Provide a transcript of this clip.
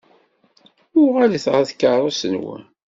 Uɣalet ɣer tkeṛṛust-nwen!